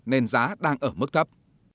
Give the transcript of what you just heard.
nên giá đang ở mức thấp